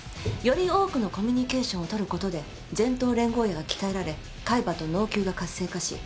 より多くのコミュニケーションを取ることで前頭連合野が鍛えられ海馬と脳弓が活性化し